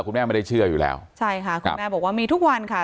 คุณแม่ไม่ได้เชื่ออยู่แล้วใช่ค่ะคุณแม่บอกว่ามีทุกวันค่ะ